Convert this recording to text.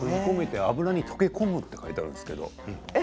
油に溶け込むと書いてあるんですけど。